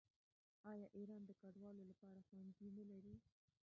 آیا ایران د کډوالو لپاره ښوونځي نلري؟